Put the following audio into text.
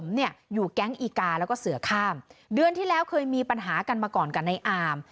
เห็นครับค่ะเดี๋ยวลองฟังเสียงในค่ะ